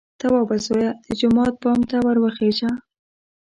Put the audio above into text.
_توابه زويه! د جومات بام ته ور وخېژه!